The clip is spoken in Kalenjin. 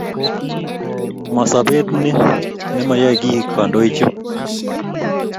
Ma sobeet ni ne mayai ki kandoik chu